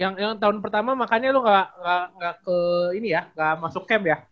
yang tahun pertama makanya lu gak ke ini ya gak masuk camp ya